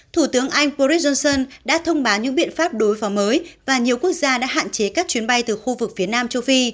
thủ tướng anh boris johnson đã thông báo những biện pháp đối phó mới và nhiều quốc gia đã hạn chế các chuyến bay từ khu vực phía nam châu phi